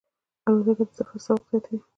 الوتکه د سفر ذوق زیاتوي.